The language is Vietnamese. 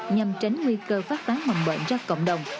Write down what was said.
nhằm tránh nguy cơ phát tán mầm bệnh ra cộng đồng